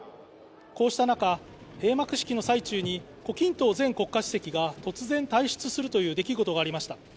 こうした中、閉幕式の最中に胡錦涛前国家主席が突然退出するという出来事がありました。